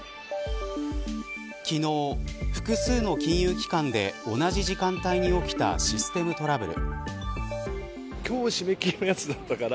昨日、複数の金融機関で同じ時間帯に起きたシステムトラブル。